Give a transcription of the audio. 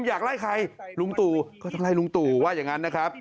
อยากไล่ใครลุงตู่ก็ต้องไล่ลุงตู่ว่าอย่างนั้นนะครับ